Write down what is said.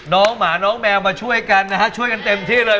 น้องหมาน้องแมวมาช่วยกันนะฮะช่วยกันเต็มที่เลย